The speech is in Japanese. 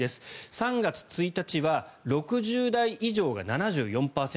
３月１日は６０代以上が７４％。